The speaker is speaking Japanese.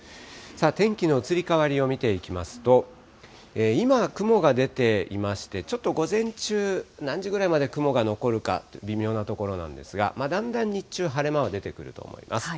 天気の移り変わりを見ていきますと、今、雲が出ていまして、ちょっと午前中、何時ぐらいまで雲が残るか微妙なところなんですが、だんだん日中、晴れ間も出てくると思います。